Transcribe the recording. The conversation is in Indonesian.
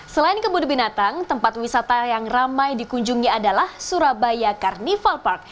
selain kebun binatang tempat wisata yang ramai dikunjungi adalah surabaya carnival park